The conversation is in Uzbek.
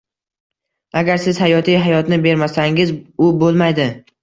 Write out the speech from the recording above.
Agar siz hayotiy hayotni bermasangiz, u bo'lmaydi.